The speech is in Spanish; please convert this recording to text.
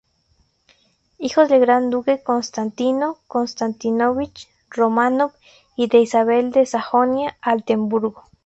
Hijo del gran duque Constantino Konstantínovich Románov y de Isabel de Sajonia-Altemburgo.